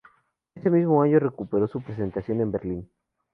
Ese mismo año recuperó su representación en Berlín.